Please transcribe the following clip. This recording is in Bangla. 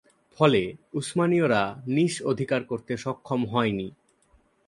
ফলে উসমানীয়রা নিস অধিকার করতে সক্ষম হয়নি।